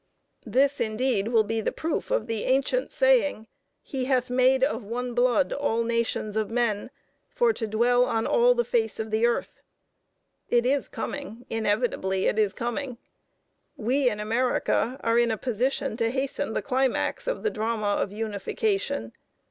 This, indeed, will be the proof of the ancient saying, "He hath made of one blood all nations of men, for to dwell on all the face of the earth." It is coming, inevitably it is coming. We in America are in a position to hasten the climax of the drama of unification.